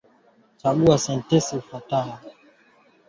za kimerekani kwa ajili ya kukagua ubora wa hewa kwenye jiji la Kampala